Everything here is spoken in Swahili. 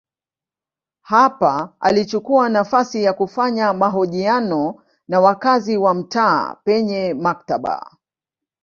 Hapa alichukua nafasi ya kufanya mahojiano na wakazi wa mtaa penye maktaba.